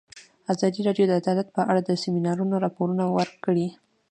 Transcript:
ازادي راډیو د عدالت په اړه د سیمینارونو راپورونه ورکړي.